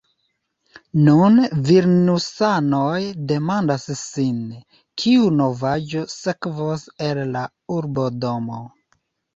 Nun vilniusanoj demandas sin, kiu novaĵo sekvos el la urbodomo.